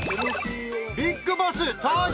ビッグボス登場！